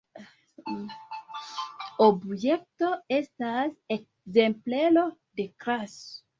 Objekto estas ekzemplero de klaso.